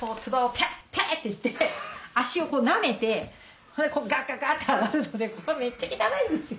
ペッ！ってして足をなめてそれでこうガッガッガッて上がるのでここがめっちゃ汚いんですよ。